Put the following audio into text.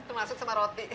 termasuk sama roti